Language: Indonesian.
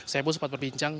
saya pun sempat berbincang